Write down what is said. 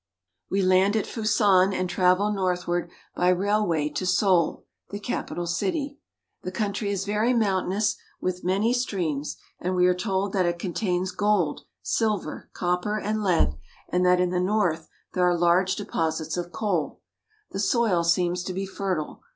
We land at Fusan and travel northward by railway to Seoul (se ool'), the capital city. The country is very mountainous, with many streams, and we are told that it contains gold. THE HERMIT NATION 95 silver, copper, and lead, and that in the north there are large deposits of coal. The soil seems to be fertile.